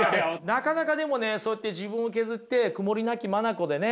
なかなかでもねそうやって自分を削って曇りなき眼でね